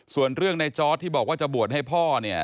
ส่วนเรื่องในจอร์ดที่บอกว่าจะบวชให้พ่อเนี่ย